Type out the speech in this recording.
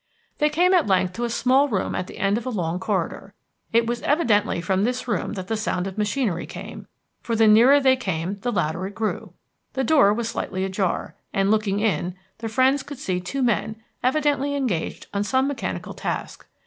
They came at length to a small room at the end of a long corridor. It was evidently from this room that the sound of machinery came, for the nearer they came the louder it grew. The door was slightly ajar, and looking in, the friends could see two men, evidently engaged on some mechanical task.